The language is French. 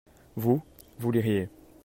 vous, vous liriez.